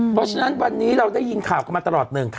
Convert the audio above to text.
เพราะฉะนั้นวันนี้เราได้ยินข่าวกันมาตลอดหนึ่ง